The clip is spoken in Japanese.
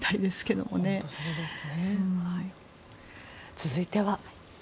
続いては。